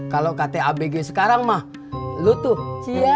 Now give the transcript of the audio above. kalau ktabg sekarang mah lu tuh cian dah